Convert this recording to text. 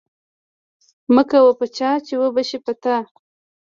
مکوه په چا چی وبه شی په تا